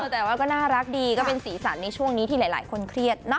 แต่ว่าก็น่ารักดีก็เป็นสีสันในช่วงนี้ที่หลายคนเครียด